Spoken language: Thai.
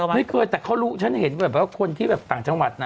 ไม่เคยแต่เขารู้ฉันเห็นแบบว่าคนที่แบบต่างจังหวัดนะ